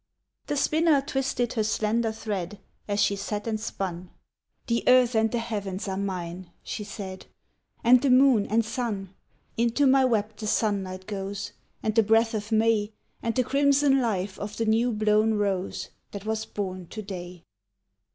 The spinner twisted her slender thread As she sat and spun: "The earth and the heavens are mine," she said, "And the moon and sun; Into my web the sunlight goes, And the breath of May, And the crimson life of the new blown rose That was born to day."